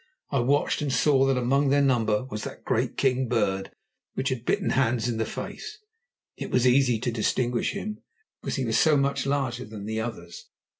I watched, and saw that among their number was that great king bird which had bitten Hans in the face; it was easy to distinguish him, because he was so much larger than the others.